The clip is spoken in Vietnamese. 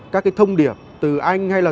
các cái thông điệp từ anh hay là